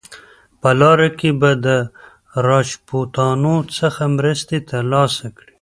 په لاره کې به د راجپوتانو څخه مرستې ترلاسه کړي.